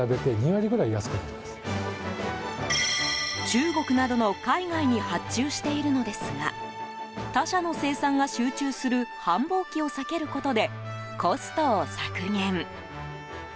中国などの海外に発注しているのですが他社の生産が集中する繁忙期を避けることでコストを削減。